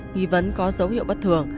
nghi vấn có dấu hiệu bất thường